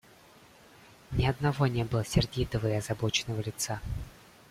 Ни одного не было сердитого и озабоченного лица.